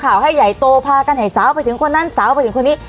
ข่าวให้ใหญ่โตพากันให้สาวไปถึงคนนั้นสาวไปถึงคนนี้